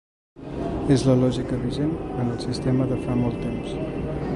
És la lògica vigent en el sistema de fa molt temps.